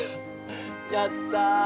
やった！